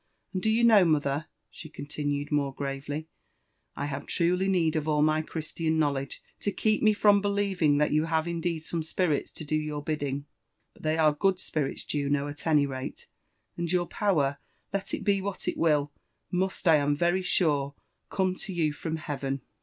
— And, do you know, mother," she continued more gravely, I have truly need of all my Christian knowlege to keep me from believing that you have indeed some spirits to do your bidding ;— ^but they are good spirits, Juno, at any rate, and your power, let it be what it will, must, I am very sure, come to you from Heaven."